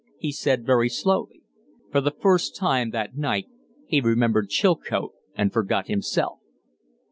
he said, very slowly. For the first time that night he remembered Chilcote and forgot himself.